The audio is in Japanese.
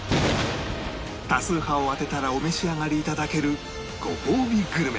多数派を当てたらお召し上がり頂けるごほうびグルメ